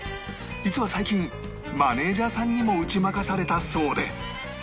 実は最近マネージャーさんにも打ち負かされたそうで